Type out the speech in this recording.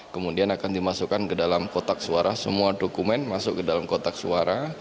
kemudian akan dimasukkan ke dalam kotak suara semua dokumen masuk ke dalam kotak suara